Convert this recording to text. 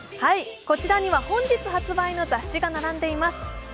こちらには本日発売の雑誌が並んでいます。